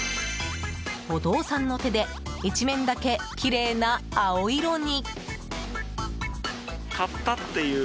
お父さんの手で一面だけきれいな青色に。